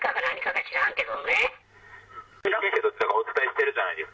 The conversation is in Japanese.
知らねえけどって、お伝えしてるじゃないですか。